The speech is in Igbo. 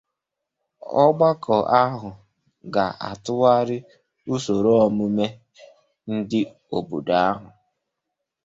The committee will revise the guidelines based upon community input.